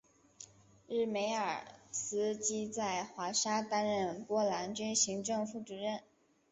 日梅尔斯基在华沙担任波兰军行政副主任。